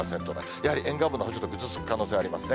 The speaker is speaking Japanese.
やはり沿岸部のほうがちょっとぐずつく可能性ありますね。